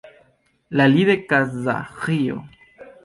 La li de Kazaĥio.